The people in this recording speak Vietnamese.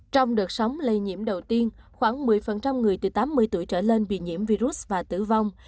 trong đợt sóng lây nhiễm đầu tiên khoảng một mươi người từ tám mươi tuổi trở lên bị nhiễm virus và tử vong